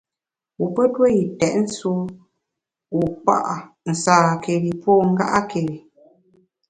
Wu pe ntue yi têt sùwu, wu kpa’ nsâkeri pô nga’keri.